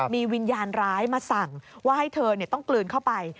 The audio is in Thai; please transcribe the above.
มีวิญญาณร้ายมาสั่งว่าให้เธอต้องกลืนเข้าไป